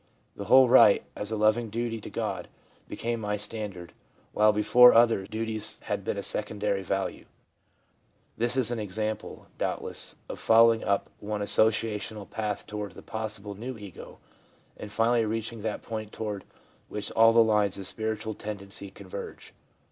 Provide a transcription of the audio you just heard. The whole Right, as a loving duty to God, became my standard, while before other duties had had a secondary value/ This is an example, doubtless, of following up one associational path toward the possible new ego, and finally reaching that point toward which all the lines of spiritual tendency converge.